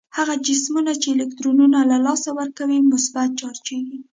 هغه جسمونه چې الکترون له لاسه ورکوي مثبت چارجیږي.